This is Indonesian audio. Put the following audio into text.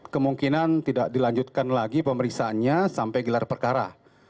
kemungkinan tidak dilanjutkan lagi pemeriksaannya sampai gelar perkara